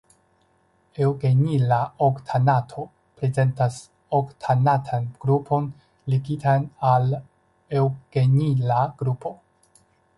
Eŭgenila oktanato prezentas oktanatan grupon ligitan al eŭgenila grupo.